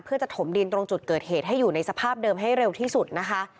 เพื่อจะถมดินตรงจุดเกิดเหตุให้อยู่ในสภาพเดิมให้เร็วที่สุดนะคะ